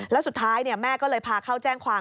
แล้วสุดท้ายแม่ก็เลยพาเข้าแจ้งความ